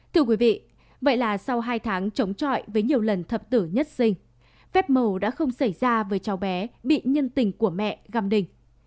thưa quý vị vậy là sau hai tháng chống trọi với nhiều lần thập tử nhất sinh phép màu đã không xảy ra với cháu bé bị nhân tình của mẹ găm đình